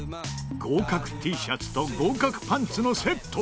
合格Ｔシャツと合格パンツのセット。